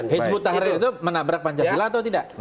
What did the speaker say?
hizbut tahrir itu menabrak pancasila atau tidak